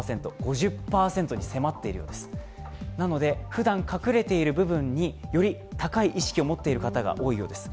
普段隠れている部分により高い意識を持っている方が多いようです。